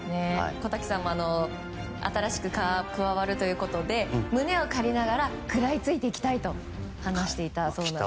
小瀧さんは新しく加わるということで胸を借りながら食らいついていきたいと話していました。